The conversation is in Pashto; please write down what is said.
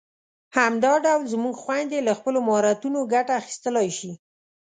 همدا ډول زموږ خويندې له خپلو مهارتونو ګټه اخیستلای شي.